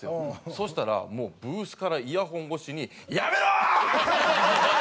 そしたらもうブースからイヤホン越しに「やめろー！」。